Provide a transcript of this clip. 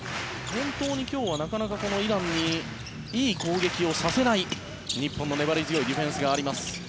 本当に今日はイランにいい攻撃をさせない日本の粘り強いディフェンスがあります。